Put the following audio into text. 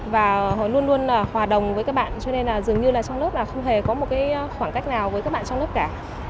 và họ luôn luôn hòa đồng với các bạn cho nên là dường như là trong lớp là không hề có một khoảng cách nào với các bạn trong lớp cả